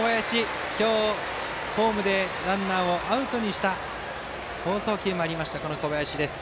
今日、ホームでランナーをアウトにした好送球もあった小林です。